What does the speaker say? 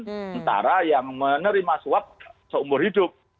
sementara yang menerima suap seumur hidup